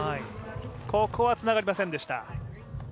ここはつながりませんでした。